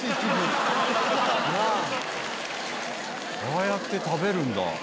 「ああやって食べるんだ」